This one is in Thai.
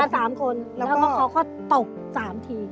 ใช่มา๓คนแล้วก็เขาก็ตก๓ที